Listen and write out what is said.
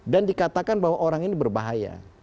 dan dikatakan bahwa orang ini berbahaya